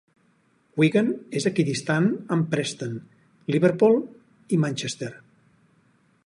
Wigan és equidistant amb Preston, Liverpool i Manchester.